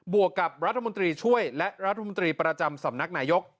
วกกับรัฐมนตรีช่วยและรัฐมนตรีประจำสำนักนายก